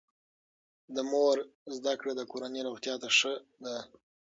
د مور زده کړه د کورنۍ روغتیا ته ښه ده.